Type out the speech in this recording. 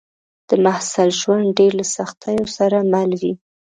د محصل ژوند ډېر له سختیو سره مل وي